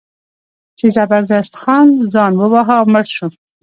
چې زبردست خان ځان وواهه او مړ شو.